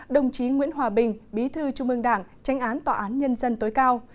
đồng chí nguyễn hòa bình bí thư trung ương đảng tranh án tòa án nhân dân tối cao